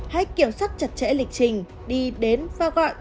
hãy kiểm soát chặt chẽ lịch trình đi đến và gọi